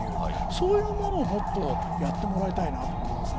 そういうものをもっとやってもらいたいなと思います。